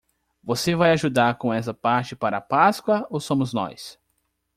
Você vai ajudar com essa parte para a Páscoa ou somos nós?